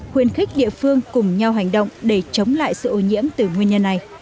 khuyên khích địa phương cùng nhau hành động để chống lại sự ô nhiễm từ nguyên nhân này